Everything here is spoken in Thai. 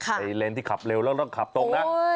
ไอเลนส์ที่ขับเร็วแล้วก็ขับตกนะ